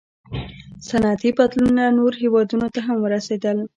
• صنعتي بدلونونه نورو هېوادونو ته هم ورسېدل.